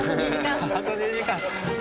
あと２時間。